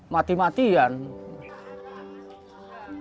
mereka akan mati